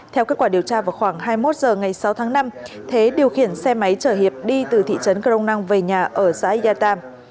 theo kết quả điều tra vào khoảng hai mươi một h ngày sáu tháng năm thế điều khiển xe máy chở hiệp đi từ thị trấn crong năng về nhà ở xã yatarm